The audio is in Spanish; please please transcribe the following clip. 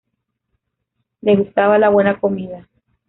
Le gustaba la buena comida.